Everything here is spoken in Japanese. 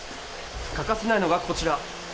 欠かせないのがこちら。